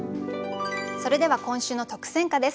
それでは今週の特選歌です。